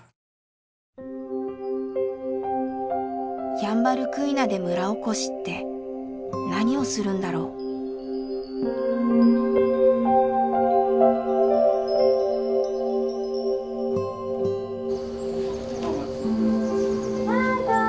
ヤンバルクイナで村おこしって何をするんだろう。わかわいい！